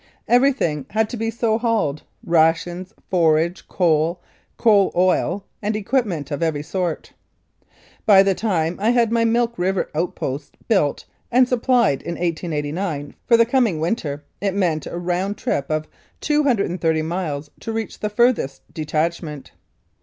Everything had to be so hauled rations, forage, coal, coal oil, and equipment of every sort. By the time I had my Milk River outposts built and supplied in 1889 for the coming winter, it meant a round trip of 230 miles to reach the farthest detachment.